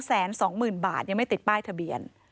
แสนสองหมื่นบาทยังไม่ติดป้ายทะเบียน